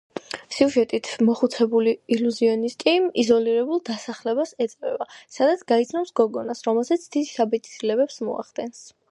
სიუჟეტით მოხუცებული ილუზიონისტი იზოლირებულ დასახლებას ეწვევა, სადაც გაიცნობს გოგონას, რომელზეც დიდ შთაბეჭდილებას მოახდენს.